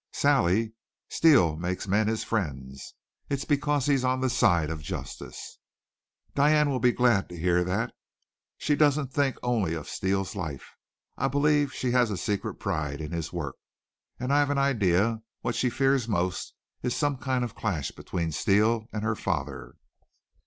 "Sally, Steele makes men his friends. It's because he's on the side of justice." "Diane will be glad to hear that. She doesn't think only of Steele's life. I believe she has a secret pride in his work. And I've an idea what she fears most is some kind of a clash between Steele and her father."